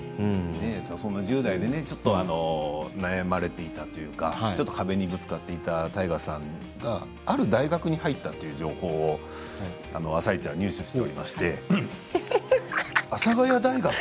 そんな１０代でちょっと悩まれていたというかちょっと壁にぶつかっていた太賀さんがある大学に入ったという情報を「あさイチ」は入手しておりまして。